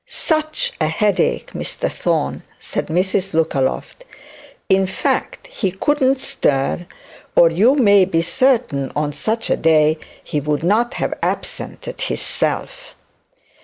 'Such a headache, Mr Thorne!' said Mrs Lookaloft. 'In fact he couldn't stir, or you may be certain on such a day he would not have absented himself.'